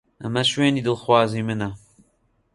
ئەمە شوێنی دڵخوازی منە.